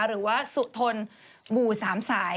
หรือว่าสุทนบู่สามสาย